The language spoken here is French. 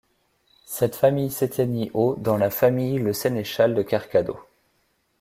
Cette famille s'éteignit au dans la famille Le Sénéchal de Kercado.